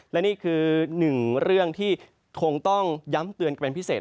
และนี่คือหนึ่งเรื่องที่คงต้องย้ำเตือนกันเป็นพิเศษ